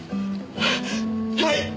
はい！